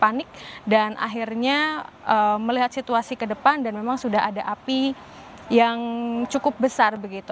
panik dan akhirnya melihat situasi ke depan dan memang sudah ada api yang cukup besar begitu